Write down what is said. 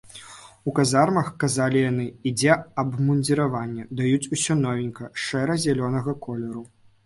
У казармах, казалі яны, ідзе абмундзіраванне, даюць усё новенькае шэра-зялёнага колеру.